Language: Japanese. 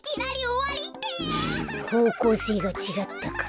ほうこうせいがちがったか。